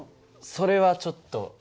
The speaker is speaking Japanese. それはちょっと。